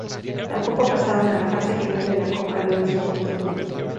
Tampoco pasaron a la fase final de la Copa Louis Vuitton.